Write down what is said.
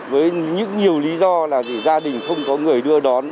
với nhiều lý do là gia đình không có người đưa đón